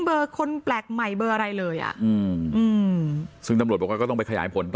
เบอร์คนแปลกใหม่เบอร์อะไรเลยอ่ะอืมอืมซึ่งตำรวจบอกว่าก็ต้องไปขยายผลต่อ